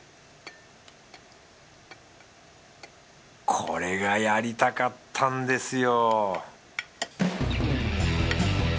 これがやりたかったんですよ！